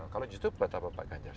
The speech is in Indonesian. kalau youtube betapa pak genjer